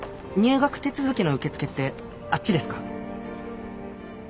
入学手続きの受付ってあっちですか？